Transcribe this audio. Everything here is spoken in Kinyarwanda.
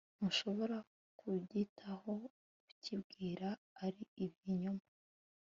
ntushobora kubyitaho ukibwira ko ari ibinyoma